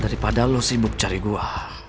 daripada lo sibuk cari gua